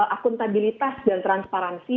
akuntabilitas dan transparansi